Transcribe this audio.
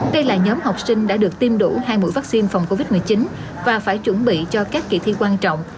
đây là nhóm học sinh đã được tiêm đủ hai mũi vaccine phòng covid một mươi chín và phải chuẩn bị cho các kỳ thi quan trọng